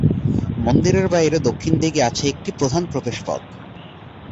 মন্দিরের বাইরে দক্ষিণ দিকে আছে একটি প্রধান প্রবেশপথ।